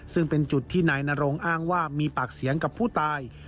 ซึ่งเป็นจุดที่นายนรงอ้างว่ามีปากเสียงกับผู้ตาย